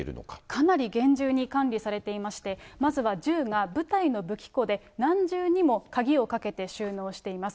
かなり厳重に管理されていまして、まずは銃が部隊の武器庫で、何重にも鍵をかけて収納しています。